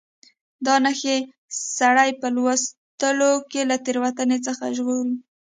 دا نښې سړی په لوستلو کې له تېروتنې څخه ژغوري.